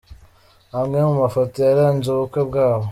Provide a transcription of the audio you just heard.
Amwe mu mafoto yaranze ubukwe bwabo.